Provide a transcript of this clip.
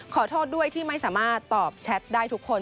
ขอโทษด้วยที่ไม่สามารถตอบแชทได้ทุกคน